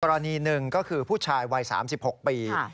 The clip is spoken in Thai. กรณีหนึ่งก็คือผู้ชายวัย๓๖ปี